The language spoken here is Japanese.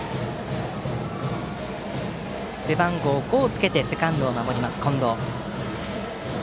背番号５をつけてセカンドを守ります、近藤。